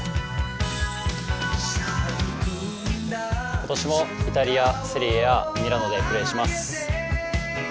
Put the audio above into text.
今年もイタリアセリエＡミラノでプレーします。